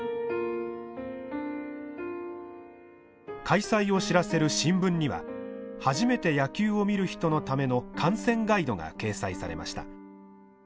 開催を知らせる新聞には初めて野球を見る人のための観戦ガイドが掲載されました。